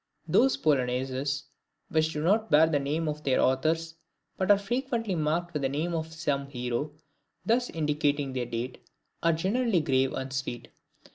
Those Polonaises which do not bear the names of their authors, but are frequently marked with the name of some hero, thus indicating their date, are generally grave and sweet.